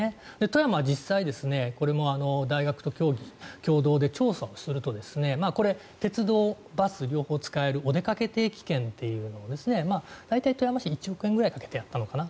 富山は実際これも大学と共同で調査をすると鉄道、バス両方使えるおでかけ定期券というのを大体、富山市は１億円くらいかけてやったのかな。